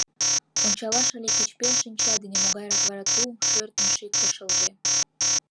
— Ончалаш ыле кеч пел шинча дене, могайрак вара ту шӧртньӧ-ший кышылже!»